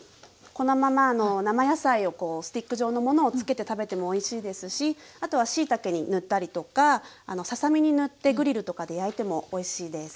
このまま生野菜をスティック状のものを付けて食べてもおいしいですしあとはしいたけに塗ったりとかささ身に塗ってグリルとかで焼いてもおいしいです。